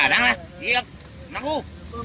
อย่าตั้งแล้วเหี้ยปนักฟู